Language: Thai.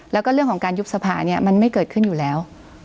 แล้วก็เรื่องของการยุบสภาเนี่ยมันไม่เกิดขึ้นอยู่แล้ว